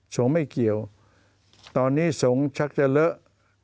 ไม่เกี่ยวตอนนี้สงฆ์ชักจะเลอะ